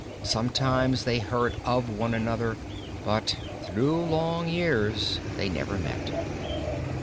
Sometimes they heard of one another but through long years they never met.